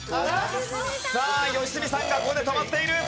さあ良純さんがここで止まっている。